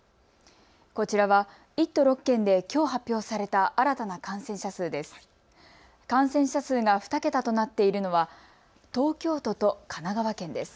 こちらは１都６県できょう発表された新たな感染者数です。